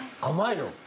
甘いの？